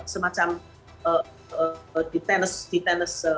semacam di tenis